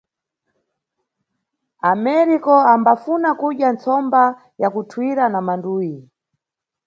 Ameriko ambafuna kudya ntsomba ya kuthwira na manduyi.